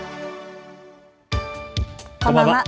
こんばんは。